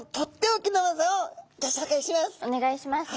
お願いします。